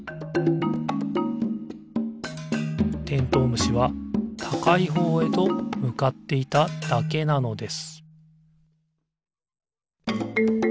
虫はたかいほうへとむかっていただけなのです